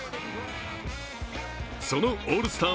そのオールスター